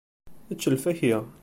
Ečč lfakya.